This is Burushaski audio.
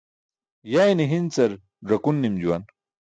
Yayne hi̇ncar ẓakun nim juwan.